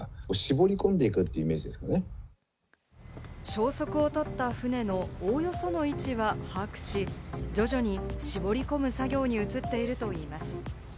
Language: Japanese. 消息を絶った船のおおよその位置は把握し、徐々に絞り込む作業に移っているといいます。